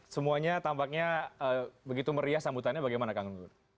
semuanya tampaknya begitu meriah sambutannya bagaimana kang gunggun